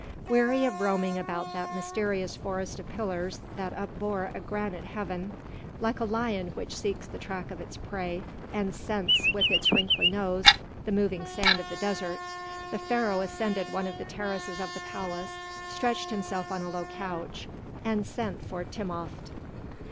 Weary of roaming about that mysterious forest of pillars that upbore a granite heaven, like a lion which seeks the track of its prey and scents with its wrinkled nose the moving sand of the desert, the Pharaoh ascended one of the terraces of the palace, stretched himself on a low couch, and sent for Timopht.